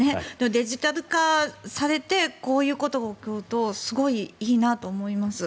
デジタル化されてこういうことが起きるとすごくいいなと思います。